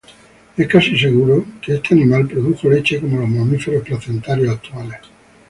Es casi seguro que este animal produjo leche como los mamíferos placentarios actuales.